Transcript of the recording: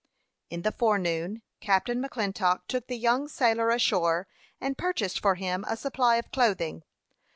In the forenoon Captain McClintock took the young sailor ashore, and purchased for him a supply of clothing.